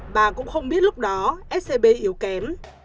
bà cũng không biết lúc đó scb yếu kém